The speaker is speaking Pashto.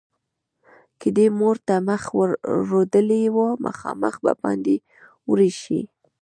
که دې مور تر مخ رودلې وه؛ مخامخ به باندې ورشې.